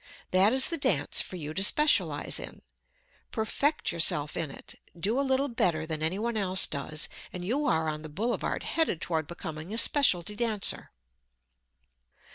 That is the dance for you to specialize in. Perfect yourself in it. Do a little better than anyone else does, and you are on the boulevard headed toward becoming a specialty dancer.